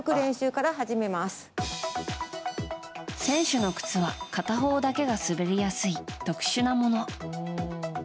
選手の靴は片方だけが滑りやすい特殊なもの。